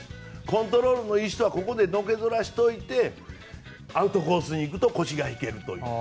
コントロールのいい人はここでのけぞらしておいてアウトコースに行くと腰が引けるという。